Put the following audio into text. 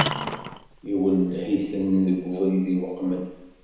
Iwelleh-iten deg ubrid iweqmen.